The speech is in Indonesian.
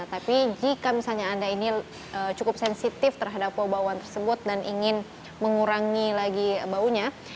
tapi jika misalnya anda ini cukup sensitif terhadap bau bauan tersebut dan ingin mengurangi lagi baunya